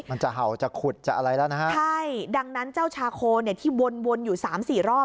มันจะเห่าจะขุดจะอะไรแล้วนะฮะใช่ดังนั้นเจ้าชาโคที่วนอยู่๓๔รอบ